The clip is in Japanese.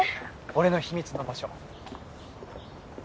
俺の秘密の場所。